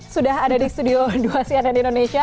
sudah ada di studio dua cnn indonesia